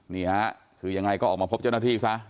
นี่ฮะคือยังไงก็ออกมาพบเจ้าหน้าที่ซะ